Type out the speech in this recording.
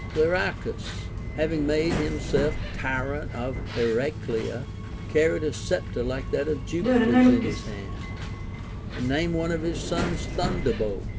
Clearchus, having made himself tyrant of Heraclea, carried a sceptre like that of Jupiter's in his hand, and named one of his sons Thunderbolt.